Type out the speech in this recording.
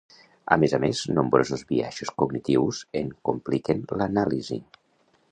A més a més, nombrosos biaixos cognitius en compliquen l'anàlisi.